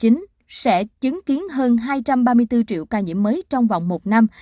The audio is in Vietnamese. các nhà nghiên cứu ước tính sẽ chứng kiến hơn hai trăm ba mươi bốn triệu ca nhiễm mới trong vòng một năm